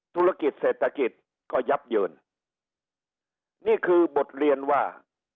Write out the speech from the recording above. ธุรกิจเศรษฐกิจก็ยับเยินนี่คือบทเรียนว่า